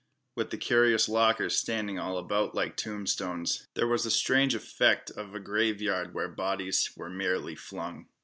With the curious lockers standing all about like tombstones, there was a strange effect of a graveyard where bodies were merely flung.